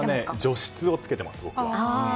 除湿をつけてます、僕は。